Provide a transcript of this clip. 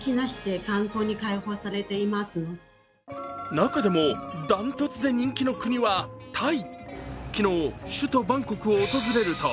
中でも、断トツで人気の国はタイ。